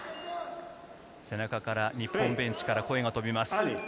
背中から日本ベンチから声が飛びます。